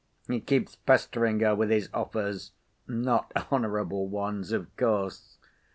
He keeps pestering her with his offers, not honorable ones, of course.